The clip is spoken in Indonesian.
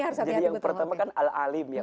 jadi yang pertama kan al alim ya